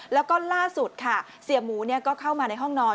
แล้วก็ล่าสุดค่ะเสียหมูก็เข้ามาในห้องนอน